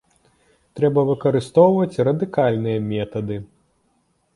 Трэба выкарыстоўваць радыкальныя метады.